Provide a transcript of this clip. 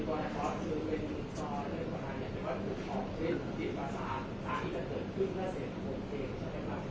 แต่ว่าไม่มีปรากฏว่าถ้าเกิดคนให้ยาที่๓๑